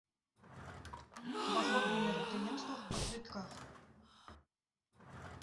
Уваход на мерапрыемствах па квітках.